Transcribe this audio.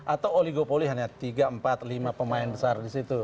atau oligopoli hanya tiga empat lima pemain besar di situ